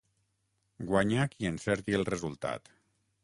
Guanya qui encerti el resultat.